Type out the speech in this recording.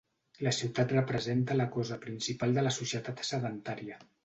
La ciutat representa la cosa principal de la societat sedentària.